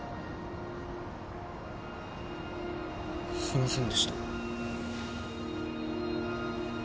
すいませんでした。